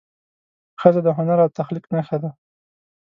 ښځه د هنر او تخلیق نښه ده.